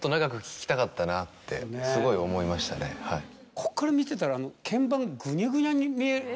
こっから見てたら。